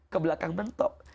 ke belakang mentok